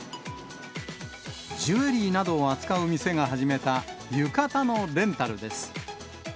ジュエリーなどを扱う店が始めた、浴衣のレンタルです。